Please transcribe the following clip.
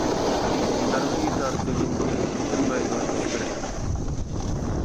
يارغا ئېيتار سۆزۈم بار، تېپىلمايدۇ ھېچبىر ئەپ.